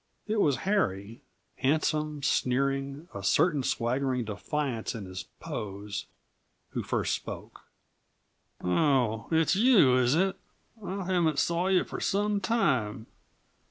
It was Harry handsome, sneering, a certain swaggering defiance in his pose who first spoke. "Oh, it's you, is it? I haven't saw yuh for some time.